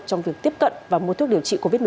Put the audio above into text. trong việc tiếp cận và mua thuốc điều trị covid một mươi